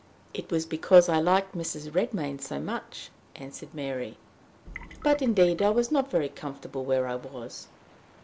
"It was because I liked Mrs. Redmain so much," answered Mary. "But, indeed, I was not very comfortable where I was."